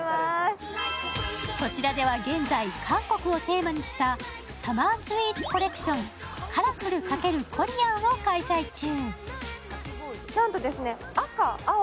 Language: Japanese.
こちらでは現在、韓国をテーマにしたサマースイーツコレクションＣＯＬＯＲＦＵＬ×ＫＯＲＥＡＮを開催中。